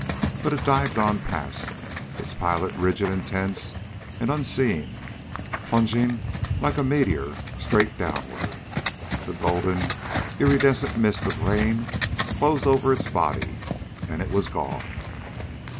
But it dived on past, its pilot rigid and tense and unseeing, plunging like a meteor straight downward. The golden, iridescent mist of rain closed over its body. And it was gone.